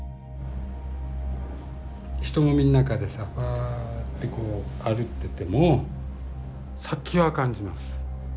人混みの中でさふぁってこう歩ってても殺気は感じます。